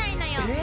え⁉